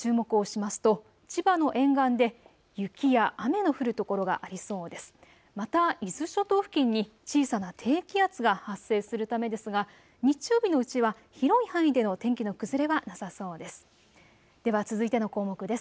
また伊豆諸島付近に小さな低気圧が発生するためですが、日曜日のうちは広い範囲での天気の崩れはなさそうです。